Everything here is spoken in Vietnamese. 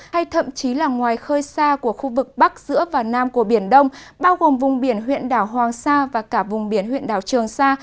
hay thậm chí là ngoài khơi xa của khu vực bắc giữa và nam của biển đông bao gồm vùng biển huyện đảo hoàng sa và cả vùng biển huyện đảo trường sa